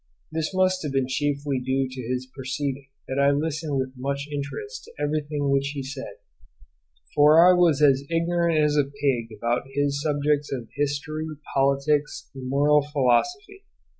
This must have been chiefly due to his perceiving that I listened with much interest to everything which he said, for I was as ignorant as a pig about his subjects of history, politics, and moral philosophy.